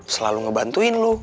selalu ngebantuin lo